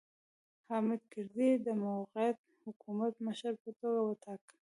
حامد کرزی یې د موقت حکومت مشر په توګه وټاکه.